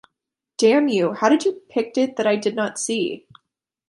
Damn you, how did you picked it that I did not see?